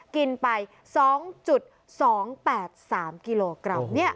กินไป๒๒๘๓กิโลกรัม